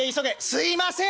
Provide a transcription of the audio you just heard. すいません」。